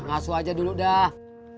kasuh aja dulu dah